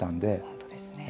本当ですね。